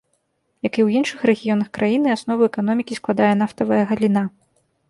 Як і ў іншых рэгіёнах краіны, аснову эканомікі складае нафтавая галіна.